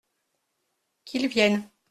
Qu’ils viennent !